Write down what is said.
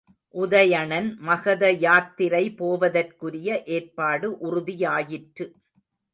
உதயணன் மகதயாத்திரை போவதற்குரிய ஏற்பாடு உறுதியாயிற்று.